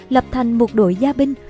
lập thành một đội gia binh